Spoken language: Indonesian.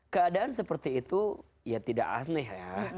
keadaan seperti itu ya tidak asli ya